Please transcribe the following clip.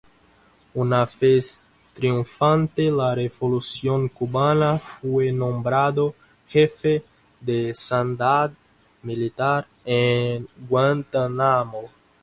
Una vez triunfante la Revolución cubana fue nombrado Jefe de Sanidad Militar en Guantánamo.